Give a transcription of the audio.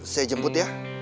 saya jemput ya